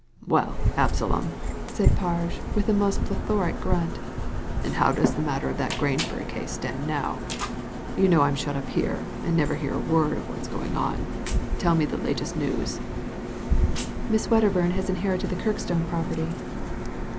"Well, Absalom," said Parge, with a plethoric grunt, "and how does the matter of that Grangebury case stand now? You know I'm shut up here, and never hear a word of what's going on. Tell me the latest news." «Miss Wedderbum has inherited the Kirkstone property."